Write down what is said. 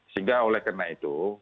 sehingga oleh karena itu